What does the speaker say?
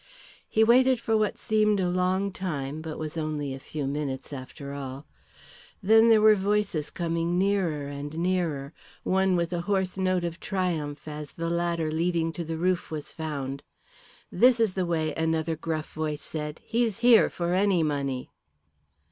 He waited for what seemed a long time, but was only a few minutes after all. Then there were voices coming nearer and nearer, one with a hoarse note of triumph as the ladder leading to the roof was found. "This is the way," another gruff voice said. "He's here for any money."